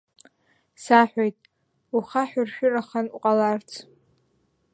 Саҳәоит, ухаҳәыршәырахан уҟаларц.